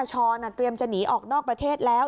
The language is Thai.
เตรียมจะหนีออกนอกประเทศแล้ว